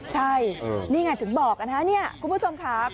ใช่นี่ไงถึงบอกนะฮะนี่คุณผู้ชมค่ะ